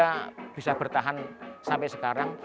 kita bisa bertahan sampai sekarang